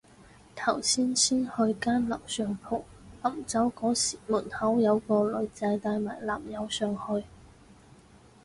頭先去間樓上鋪，臨走嗰時門口有個女仔帶埋男友上去